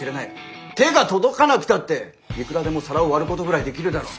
手が届かなくたっていくらでも皿を割ることぐらいできるだろ。